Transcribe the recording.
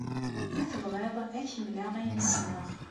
Ma tebɣiḍ ad ak-mmleɣ ayen ssneɣ.